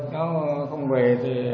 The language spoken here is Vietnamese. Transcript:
nó không về thì